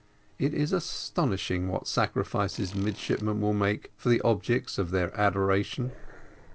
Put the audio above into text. It is astonishing what sacrifices midshipmen will make for the objects of their adoration.